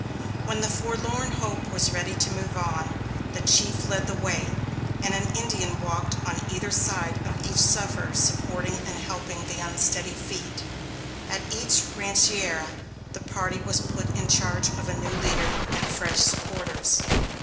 When the Forlorn Hope was ready to move on, the chief led the way, and an Indian walked on either side of each sufferer supporting and helping the unsteady feet. At each rancheria the party was put in charge of a new leader and fresh supporters.